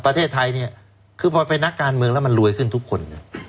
ประเทศไทยเนี่ยคือพอเป็นนักการเมืองแล้วมันรวยขึ้นทุกคน